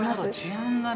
治安がね。